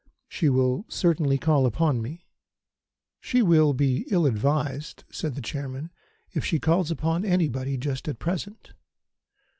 She will certainly call upon me." "She will be ill advised," said the Chairman, "if she calls upon anybody just at present.